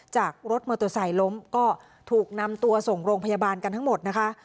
จากรถมอเตอร์ไซค์ล้มก็ถูกนำตัวส่งโรงพยาบาลกันทั้งหมดนะคะ